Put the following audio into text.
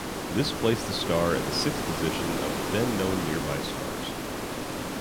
This placed the star at the sixth position of the then-known nearby stars.